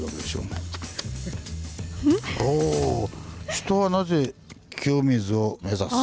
「人はなぜ清水を目指す？」。